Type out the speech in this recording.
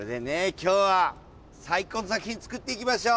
今日は最高の作品作っていきましょう！